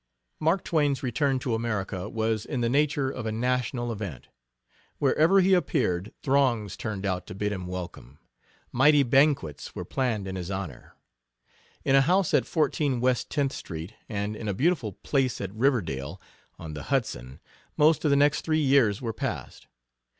Mark Twain's return to America, was in the nature of a national event. Wherever he appeared throngs turned out to bid him welcome. Mighty banquets were planned in his honor. In a house at 14 West Tenth Street, and in a beautiful place at Riverdale, on the Hudson, most of the next three years were passed.